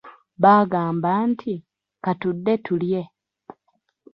Bagamba nti, katudde tulye.